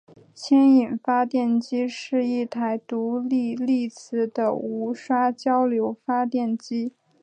牵引发电机是一台独立励磁的无刷交流发电机。